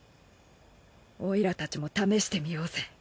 オイラたちも試してみようぜ。